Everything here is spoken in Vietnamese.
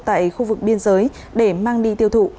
tại khu vực biên giới để mang đi tiêu thụ